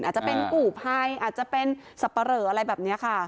อาจจะเป็นกู่ภัยอาจจะเป็นสับปะเหลออะไรแบบนี้ค่ะ